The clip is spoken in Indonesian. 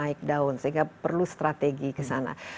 yang bisa naik down sehingga perlu strategi kesana